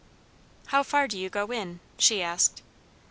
"How far do you go in?" she asked.